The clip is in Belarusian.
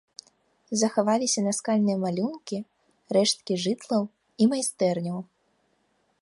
Захаваліся наскальныя малюнкі, рэшткі жытлаў і майстэрняў.